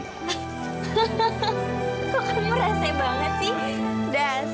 hahaha kok kamu rahasia banget sih